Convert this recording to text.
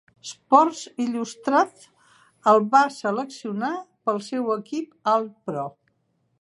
"Sports Illustrated" el va seleccionar per al seu equip All-Pro.